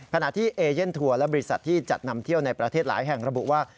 ขณะที่เอเย่นทัวร์และบริษัทที่จัดนำเที่ยวในประเทศหลายแห่งระบุว่า